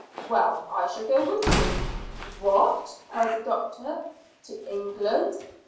Well, I shall go with you." "What!" cried the doctor. "To England?"